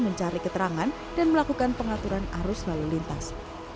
mencari keterangan dan melakukan pengaturan arus lalu lintas